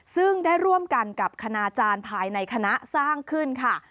ซึ่งได้ร่วมกันกับคณาจารย์ภายในคณะสร้างขึ้นค่ะ